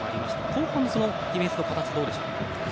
後半、そのディフェンスの形どうでしょうか。